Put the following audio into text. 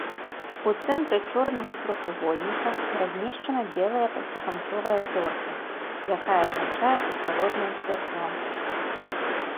У цэнтры чорнага трохвугольніка размешчана белая пяціканцовая зорка, якая азначае пуцяводнае святло.